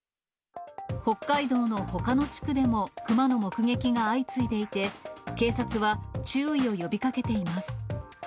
北海道のほかの地区でも、クマの目撃が相次いでいて、警察は注意を呼びかけています。